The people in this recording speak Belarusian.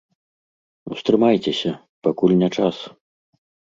Устрымайцеся, пакуль не час.